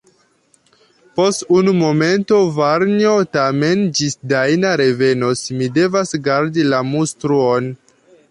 Post unu momento, varnjo; tamen ĝis Dajna revenos, mi devas gardi la mustruon.